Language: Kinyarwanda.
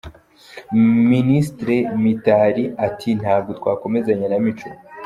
Minisitiri Mitali ati ntabwo twakomezanya na Micho.